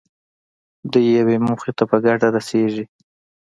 دوی یوې موخې ته په ګډه رسېږي.